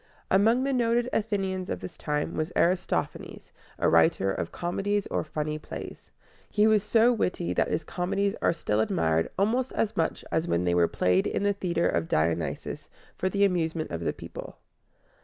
Among the noted Athenians of this time was Aristophanes, a writer of comedies or funny plays. He was so witty that his comedies are still admired almost as much as when they were played in the Theater of Dionysus for the amusement of the people.